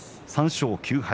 ３勝９敗